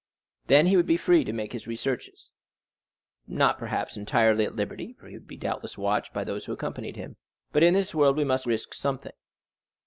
Then he would be free to make his researches, not perhaps entirely at liberty, for he would be doubtless watched by those who accompanied him. But in this world we must risk something.